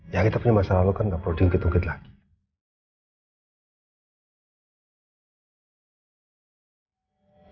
ya kita punya masa lalu kan nggak perlu dingkit ungkit lagi